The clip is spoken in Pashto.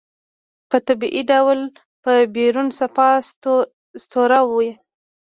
په طبيعي ډول به بيرون صفا سوتره وي.